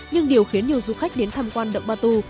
nhưng điều khiến nhiều du khách đến tham quan động batu